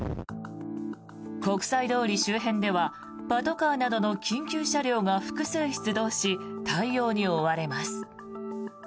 国際通り周辺ではパトカーなどの緊急車両が複数出動し、対応に追われます。